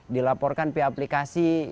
dilaporkan pihak aplikasi